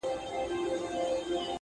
نن دي جهاني غزل ته نوی رنګ ورکړی دی!!